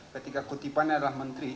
ketika kutipannya adalah menteri